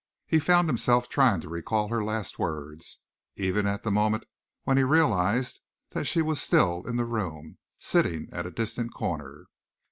He found himself trying to recall her last words, even at the moment when he realized that she was still in the room, sitting at a distant corner.